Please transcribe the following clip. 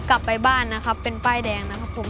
กลับไปบ้านนะครับเป็นป้ายแดงนะครับผม